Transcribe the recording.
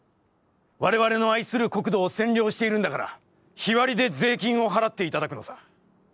われわれの愛する国土を占領しているんだから、日割で税金を払っていただくのさ』。